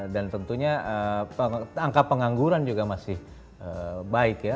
dan tentunya angka pengangguran juga masih baik ya